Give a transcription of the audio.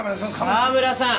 澤村さん